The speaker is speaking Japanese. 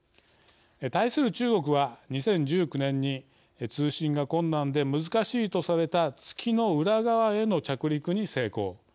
対する中国は２０１９年に通信が困難で難しいとされた月の裏側への着陸に成功。